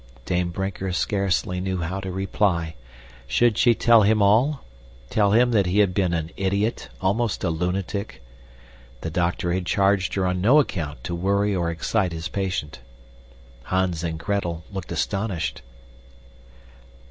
Dame Brinker scarcely knew how to reply. Should she tell him all? Tell him that he had been an idiot, almost a lunatic? The doctor had charged her on no account to worry or excite his patient. Hans and Gretel looked astonished.